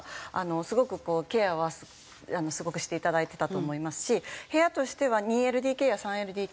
すごくこうケアはすごくしていただいてたと思いますし部屋としては２ＬＤＫや３ＬＤＫ。